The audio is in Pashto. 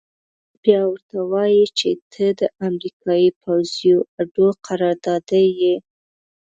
بيا ورته وايي چې ته د امريکايي پوځي اډو قراردادي يې.